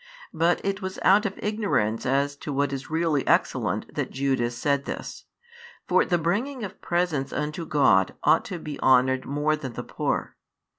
But it was out of ignorance as to what is really excellent that Judas said this. For the bringing of presents unto God ought to be honoured more than the poor.